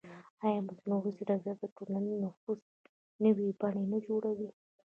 ایا مصنوعي ځیرکتیا د ټولنیز نفوذ نوې بڼې نه جوړوي؟